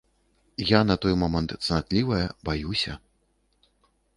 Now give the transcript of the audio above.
Я на той момант цнатлівая, баюся.